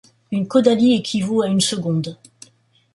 Une caudalie équivaut à une seconde.